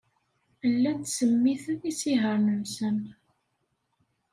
Llan ttsemmiten isihaṛen-nsen.